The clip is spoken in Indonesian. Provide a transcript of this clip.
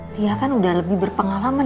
tia kan udah lebih berpengalaman